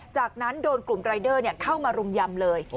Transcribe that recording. จากนั้นโดนกลุ่มรายเดอร์เข้ามารุมยำเลย